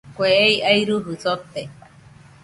Kue ei airɨjɨ sote.